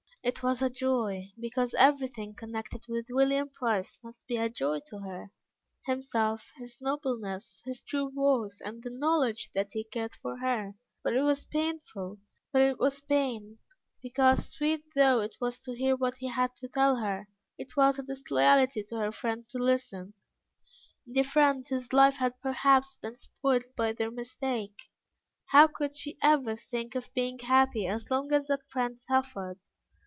It was a joy because everything connected with William Price must be a joy to her, himself, his nobleness, his true worth, and the knowledge that he cared for her, but it was pain, because, sweet though it was to hear what he had to tell her, it was a disloyalty to her friend to listen, the friend whose life had perhaps been spoilt by their mistake. How could she ever think of being happy as long as that friend suffered?